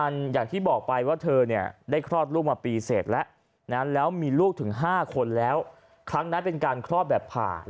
นะครับ